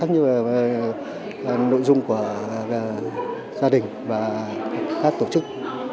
nói về nội dung của gia đình và các tổ chức